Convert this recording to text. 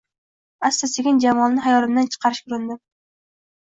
Asta-sekin jamolini xayolimdan chiqarishga urindim.